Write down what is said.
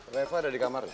reva ada di kamarnya